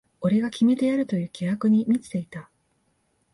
俺が決めてやるという気迫に満ちていた